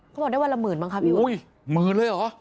เขาบอกได้วันละหมื่นบ้างครับพี่อุ๊ยหมื่นเลยเหรอ